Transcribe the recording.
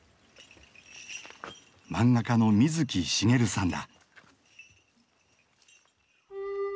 漫画家の水木しげるさんだ。